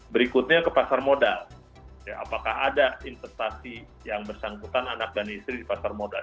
berikutnya ke pasar modal apakah ada investasi yang bersangkutan anak dan istri di pasar modal